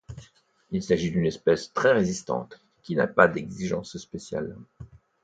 Il s'agit d'une espèce très résistante qui n'a pas d'exigences spéciales.